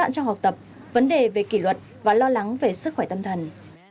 trong học tập vấn đề về kỷ luật và lo lắng về sức khỏe tâm thần